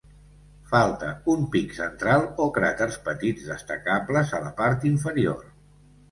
Falta un pic central o cràters petits destacables a la part inferior.